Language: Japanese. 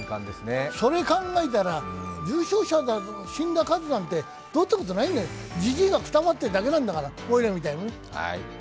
それ考えたら重症者、死んだ数なんて、どうってことないんだよ、じじいがくたばってるだけなんだからね、おいらみたいなね。